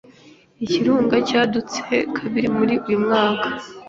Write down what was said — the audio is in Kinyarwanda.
Ikirunga cyadutse kabiri muri uyu mwaka.